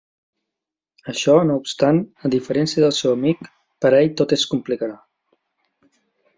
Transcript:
Això no obstant, a diferència del seu amic, per ell tot es complicarà.